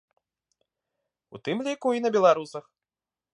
У тым ліку і на беларусах.